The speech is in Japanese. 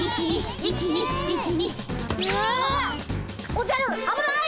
おじゃるあぶない！